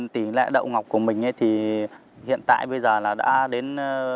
tỉ lệ đậu ngọc của mình thì hiện tại bây giờ là đã đến bảy mươi tám mươi